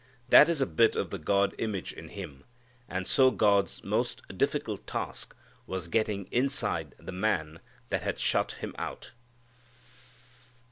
That is a bit of the God image in him. And so God's most difficult task was getting inside the man that had shut Him out.